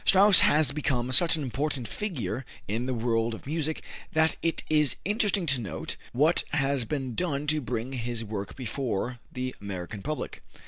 Strauss has become such an important figure in the world of music that it is interesting to note what has been done to bring his work before the American public.